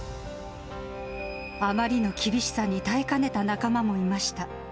あまりの厳しさに耐えかねた仲間もいました。